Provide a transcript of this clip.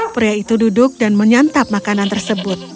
pria itu duduk dan menyantap makanan tersebut